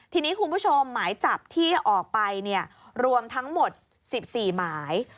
ทีนี้คุณผู้ชมหมายจับที่ออกไปรวมทั้งหมด๑๔หมาย